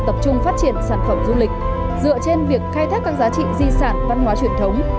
tập trung phát triển sản phẩm du lịch dựa trên việc khai thác các giá trị di sản văn hóa truyền thống